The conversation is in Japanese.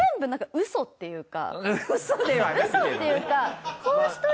ウソっていうか。